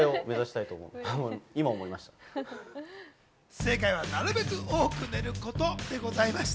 正解はなるべく多く寝ることでございました。